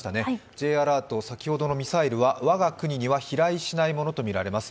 Ｊアラート、先ほどのミサイルはわが国には飛来しないものとみられます。